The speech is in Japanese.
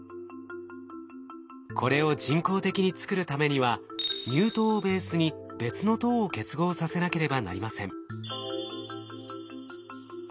これを人工的に作るためには乳糖をベースに別の糖を結合させなければなりません。